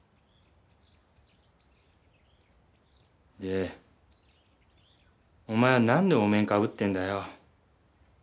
でお前はなんでお面かぶってんだよ。